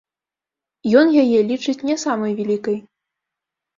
Ён яе лічыць не самай вялікай.